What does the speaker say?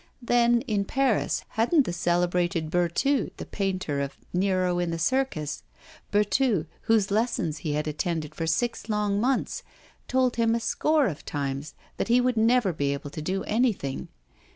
Then, in Paris, hadn't the celebrated Berthou, the painter of 'Nero in the Circus' Berthou, whose lessons he had attended for six long months told him a score of times that he would never be able to do anything?